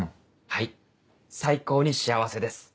はい最高に幸せです。